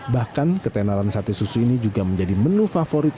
bahkan ketenalan sate susu ini juga menjadi menu favorit